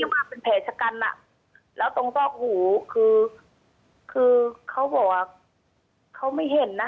เป็นแผลชะกันล่ะแล้วตรงซอกหูคือเขาบอกเขาไม่เห็นนะ